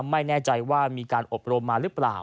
ไม่แน่ใจว่ามีการอบรมมาหรือเปล่า